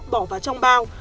bỏ vào trong bao